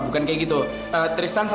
balik lagi sini ya